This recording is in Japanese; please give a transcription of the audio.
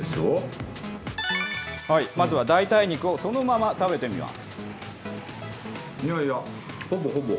まずは代替肉をそのまま食べてみます。